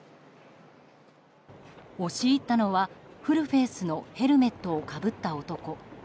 押し入ったのはフルフェースのヘルメットをかぶった男。